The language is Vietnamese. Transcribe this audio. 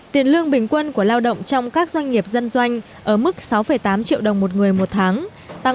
tiền lương bình quân của lao động trong các doanh nghiệp dân doanh ở mức sáu tám triệu đồng một người một tháng tăng một mươi sáu bảy